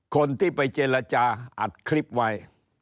คนที่ไปเจรจาอัดคลิปไว้